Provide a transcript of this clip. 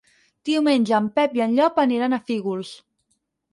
Diumenge en Pep i en Llop aniran a Fígols.